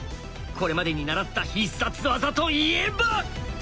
これまでに習った必殺技といえば！